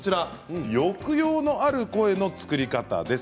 抑揚のある声の作り方です。